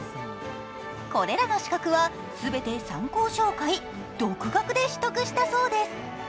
これらの資格は、全て参考書を買い独学で取得したそうです。